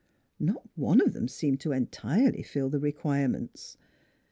Not one of them seemed to en tirely fill the requirements.